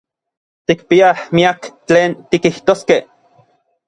Tikpiaj miak tlen tikijtoskej.